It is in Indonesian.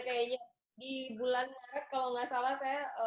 kayaknya di bulan maret kalau nggak salah saya